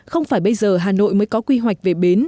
không phải bây giờ hà nội mới có quy hoạch về bến